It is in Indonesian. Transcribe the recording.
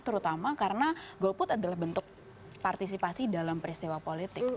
terutama karena golput adalah bentuk partisipasi dalam peristiwa politik